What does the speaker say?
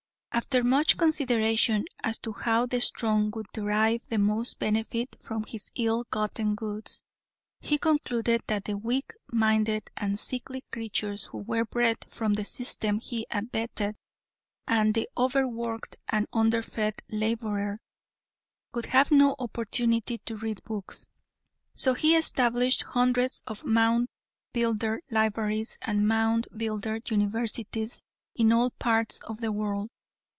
After much consideration as to how the strong would derive the most benefit from his ill gotten goods, he concluded that the weak minded and sickly creatures who were bred from the system he abetted and the over worked and under fed laborer would have no opportunity to read books, so he established hundreds of Moundbuilder libraries and Moundbuilder universities in all parts of the world.